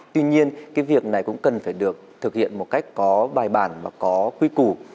tuy nhiên cái việc này cũng cần phải được thực hiện một cách có bài bản và có quy củ